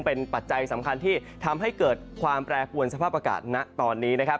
เป็นปัจจัยสำคัญที่ทำให้เกิดความแปรปวนสภาพอากาศณตอนนี้นะครับ